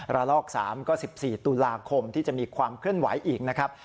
ละลอก๓ก็๑๔ตุลาคมที่จะมีความเคลื่อนไหวอีกนะครับ